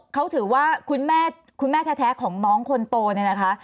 เขาถือว่าคุณแม่แท้ของน้องคนโตนี่นะคะ